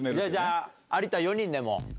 有田４人ねもう。